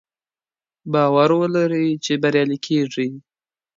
باور ولرئ چې بریالي کیږئ.